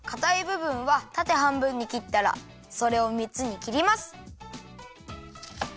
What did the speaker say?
ぶぶんはたてはんぶんにきったらそれをみっつにきります。